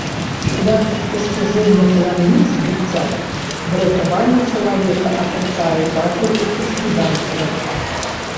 Шлях спасціжэння таямніц быцця, выратавання чалавека ад адчаю бачыў у хрысціянстве.